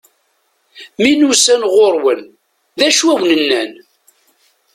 Mi n-usan ɣur-wen, d acu i awen-nnan?